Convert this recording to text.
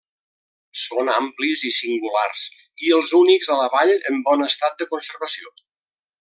Són amplis i singulars i els únics a la vall en bon estat de conservació.